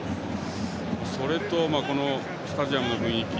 それと、このスタジアムの雰囲気。